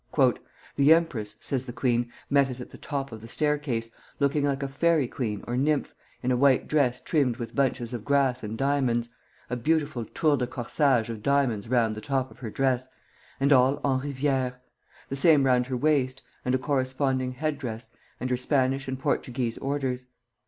"The empress," says the queen, "met us at the top of the staircase, looking like a fairy queen or nymph, in a white dress trimmed with bunches of grass and diamonds, a beautiful tour de corsage of diamonds round the top of her dress, and all en rivière; the same round her waist, and a corresponding headdress, and her Spanish and Portuguese orders.